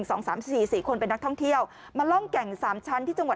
อันนี้ก็หวัดเสียวเหมือนกันนะครับ